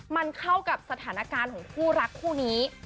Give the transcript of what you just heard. มันเข้ากับสถานการณ์ของคู่รักคู่นี้